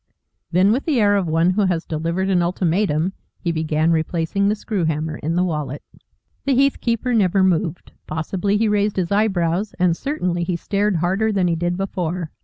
Then with the air of one who has delivered an ultimatum, he began replacing the screw hammer in the wallet. The heath keeper never moved. Possibly he raised his eyebrows, and certainly he stared harder than he did before.